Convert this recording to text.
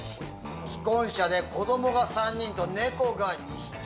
既婚者で子供が３人と猫が２匹。